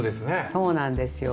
そうなんですよ。